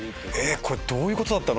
これどういうことだったの？